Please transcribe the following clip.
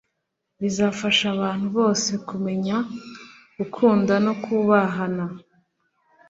bizafasha abantu bose kumenya, gukunda no kubahana